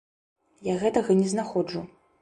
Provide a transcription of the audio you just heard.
Я гэтага не знаходжу.